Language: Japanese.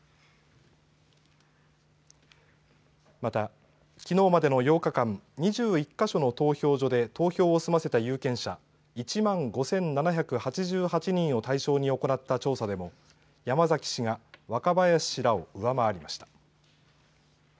また、きのうまでの８日間、２１か所の投票所で投票を済ませた有権者１万５７８８人を対象に行った調査でも山崎氏が若林氏らを上回りました。